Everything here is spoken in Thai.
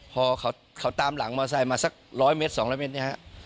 พอเขาตามหลังมาใส่มาสักร้อยเมตรสองแบบนี้ฮะ